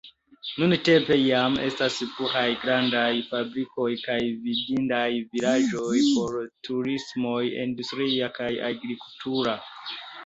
Nuntempe jam estas pluraj grandaj fabrikoj kaj vidindaj vilaĝoj por turismoj industria kaj agrikultura.